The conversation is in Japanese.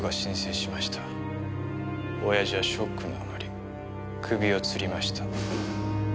親父はショックのあまり首を吊りました。